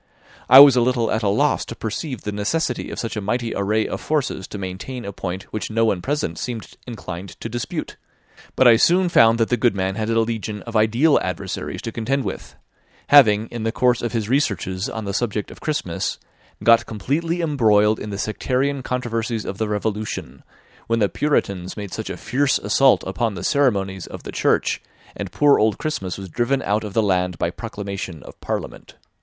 I was a little at a loss to perceive the necessity of such a mighty array of forces to maintain a point which no one present seemed inclined to dispute; but I soon found that the good man had a legion of ideal adversaries to contend with; having, in the course of his researches on the subject of Christmas, got completely embroiled in the sectarian controversies of the Revolution, when the Puritans made such a fierce assault upon the ceremonies of the Church, and poor old Christmas was driven out of the land by proclamation of Parliament.